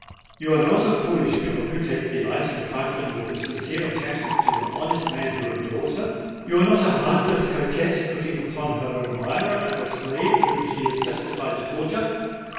"You are not a foolish girl who takes delight in trifling with the sincere attachment of an honest man who adores her:—you are not a heartless coquette, looking upon her admirer as a slave whom she is justified to torture.